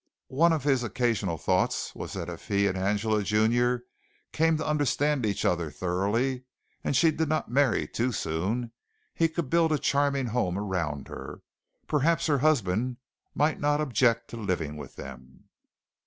One of his occasional thoughts was that if he and Angela, junior, came to understand each other thoroughly, and she did not marry too soon, he could build a charming home around her. Perhaps her husband might not object to living with them.